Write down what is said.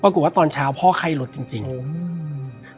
ปรากฏว่าตอนเช้าพ่อไข้ลดจริงจริงอืม